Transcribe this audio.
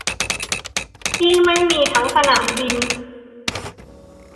ที่ไม่มีทั้งสนามบิน